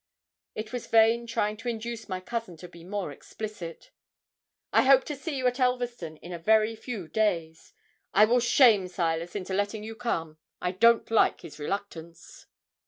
It was vain trying to induce my cousin to be more explicit. 'I hope to see you at Elverston in a very few days. I will shame Silas into letting you come. I don't like his reluctance.'